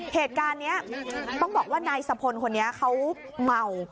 เหตุการณ์นี้ต้องบอกว่านายสะพลคนนี้เขาเมา